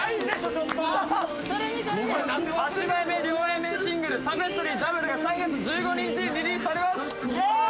ちょっと８枚目両Ａ面シングル「タペストリー／Ｗ」が３月１５日にリリースされますイエーイ！